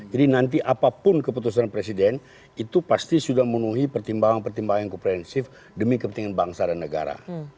jadi nanti apapun keputusan presiden itu pasti sudah memenuhi pertimbangan pertimbangan yang komprehensif demi kepentingan bangsa dan negara